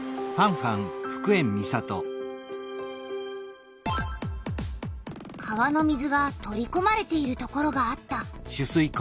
川の水が取りこまれているところがあった。